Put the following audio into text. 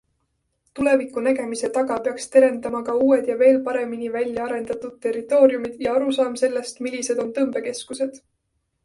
Tuleviku nägemise taga peaks terendama ka uued ja veel paremini välja arendatud territooriumid ja arusaam sellest, millised on tõmbekeskused.